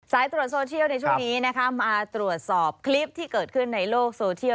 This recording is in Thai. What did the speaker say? ตรวจโซเชียลในช่วงนี้นะคะมาตรวจสอบคลิปที่เกิดขึ้นในโลกโซเทียล